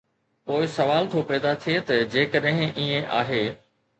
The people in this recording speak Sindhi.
پوءِ سوال ٿو پيدا ٿئي ته جيڪڏهن ائين آهي.